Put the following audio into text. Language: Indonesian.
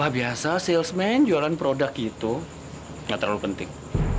biasa salesman jualan produk itu gak terlalu penting